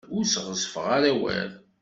Ur sɣezfeɣ ara awal.